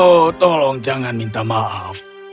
oh tolong jangan minta maaf